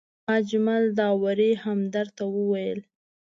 اجمل داوري همدرد ته وویل.